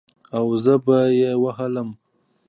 او زه به يې ووهلم.